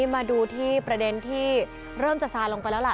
มาดูที่ประเด็นที่เริ่มจะซาลงไปแล้วล่ะ